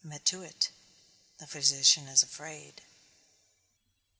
METUIT. _The physician is afraid.